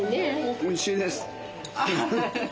おいしいです。